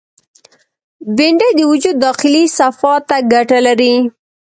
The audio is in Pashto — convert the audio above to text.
بېنډۍ د وجود داخلي صفا ته ګټه لري